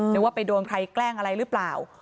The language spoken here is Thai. หรือว่าไปโดนใครแกล้งอะไรหรือเปล่า